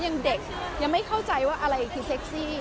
ยังเด็กยังไม่เข้าใจว่าอะไรคือเซ็กซี่